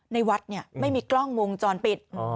ในวัดไม่มีกล้องวงจรปิด